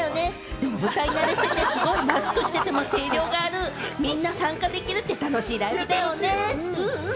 でも舞台慣れしてて、マスクしてても声量がある、みんな参加できるって楽しいライブだよね、うんうん。